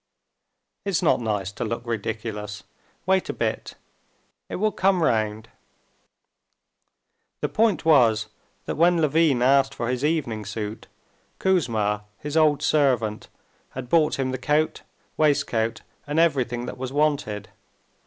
"It's not nice to look ridiculous.... Wait a bit! it will come round." The point was that when Levin asked for his evening suit, Kouzma, his old servant, had brought him the coat, waistcoat, and everything that was wanted.